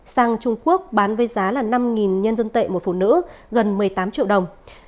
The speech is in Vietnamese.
sang trung quốc bán với giá là năm nhân dân tệ một phụ nữ gần một mươi tám triệu đồng